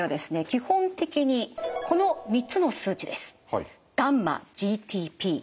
基本的にこの３つの数値です。